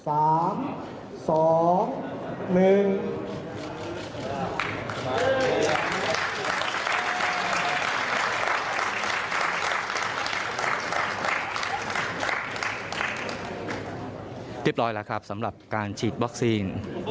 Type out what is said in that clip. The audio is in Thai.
เรียบร้อยแล้วครับสำหรับการฉีดวัคซีน